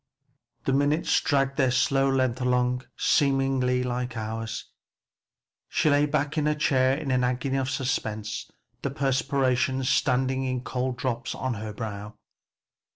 The minutes dragged their slow length along seeming like hours. She lay back in her chair in an agony of suspense, the perspiration standing in cold drops on her brow.